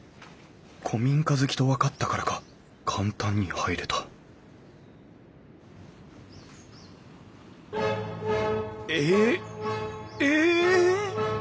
古民家好きと分かったからか簡単に入れたえええ！？